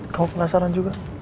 kamu penasaran juga